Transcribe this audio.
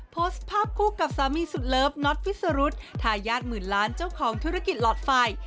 โพสต์ภาพคู่กับสามีสุดเลิฟน็อตฟิสรุธทายาทหมื่นล้านเจ้าของธุรกิจหลอดไฟ